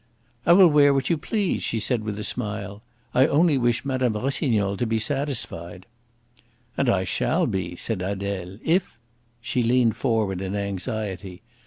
"I will wear what you please," she said, with a smile. "I only wish Mme. Rossignol to be satisfied." "And I shall be," said Adele, "if " She leaned forward in anxiety.